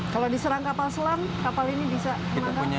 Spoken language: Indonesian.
kalau diserang kapal selam kapal ini bisa gimana